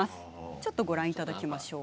ちょっとご覧いただきましょう。